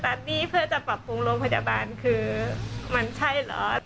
หนี้เพื่อจะปรับปรุงโรงพยาบาลคือมันใช่เหรอ